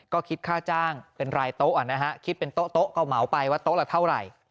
ก็คิดค่าจ้างเป็นรายโต๊ะนะฮะคิดเป็นโต๊ะก็เหมาไปว่าโต๊ะละเท่าไหร่